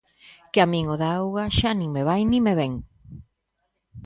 Que a min o da auga xa nin me vai nin me vén;